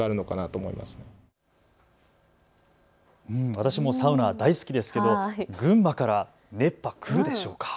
私もサウナ大好きですけど群馬から熱波、くるでしょうか。